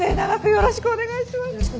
よろしくお願いします。